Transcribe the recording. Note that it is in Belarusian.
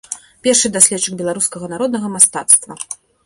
Першы даследчык беларускага народнага мастацтва.